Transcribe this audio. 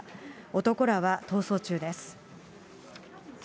男らは逃走中です。